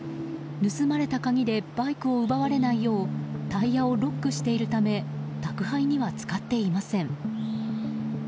盗まれた鍵でバイクを奪われないようタイヤをロックしているため宅配には使っていません。